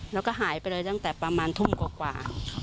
แล้วก็หายไปเลยตั้งแต่ประมาณทุ่มกว่า